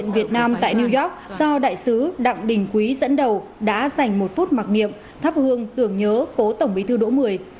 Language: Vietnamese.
việt nam tại new york do đại sứ đặng đình quý dẫn đầu đã dành một phút mặc niệm thắp hương tưởng nhớ cố tổng bí thư đỗ mười